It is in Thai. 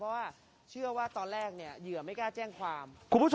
เพราะว่าเชื่อว่าตอนแรกเนี่ยเหยื่อไม่กล้าแจ้งความ